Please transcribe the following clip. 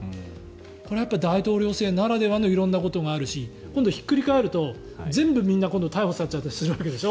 これはやっぱり大統領制ならではの色んなことがあるし今度ひっくり返ると全部みんな逮捕されちゃったりするわけでしょ。